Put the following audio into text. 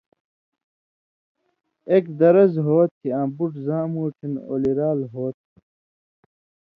اېک درز ہو تھی آں بُٹ زاں مُوٹھیُوں اولیۡرال ہو تھہ۔